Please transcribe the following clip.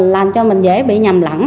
làm cho mình dễ bị nhầm lẳng